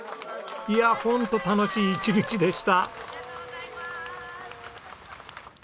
いやホント楽しい一日でした。